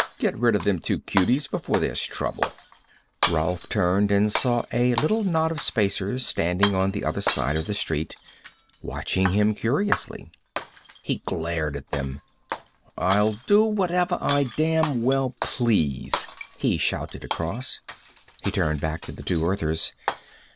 Get rid of them two cuties before there's trouble." Rolf turned and saw a little knot of Spacers standing on the other side of the street, watching him with curiosity. He glared at them. "I'll do whatever I damn well please," he shouted across. He turned back to the two Earthers.